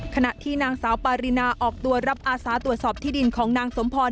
ขณะที่นางสาวปารินาออกตัวรับอาสาตรวจสอบที่ดินของนางสมพร